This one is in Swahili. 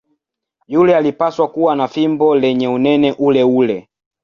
Yule alipaswa kuwa na fimbo lenye unene uleule.